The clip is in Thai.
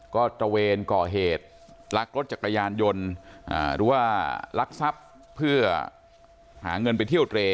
ก็ตระเวนก่อเหตุลักรถจักรยานยนต์หรือว่าลักทรัพย์เพื่อหาเงินไปเที่ยวเตร